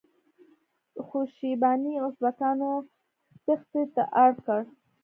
خو شیباني ازبکانو تیښتې ته اړ کړ.